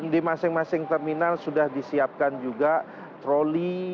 di masing masing terminal sudah disiapkan juga troli